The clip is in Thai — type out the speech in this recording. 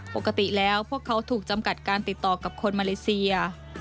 ปกติแล้วพวกเขาถูกจำกัดการติดต่อกับคนมาเลเซีย